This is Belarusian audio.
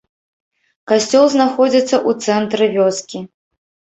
Касцёл знаходзіцца ў цэнтры вёскі.